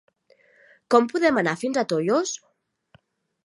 Com podem anar fins a Tollos?